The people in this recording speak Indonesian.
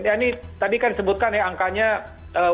ya ini tadi kan disebutkan ya angkanya bervariasi tadi